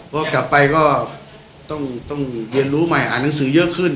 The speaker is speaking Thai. พอกลับไปก็ต้องเรียนรู้ใหม่อ่านหนังสือเยอะขึ้น